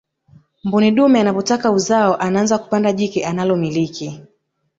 mbuni dume anapotaka uzao anaanza kupanda jike analomiliki